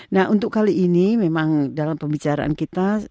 nah untuk kali ini memang dalam pembicaraan kita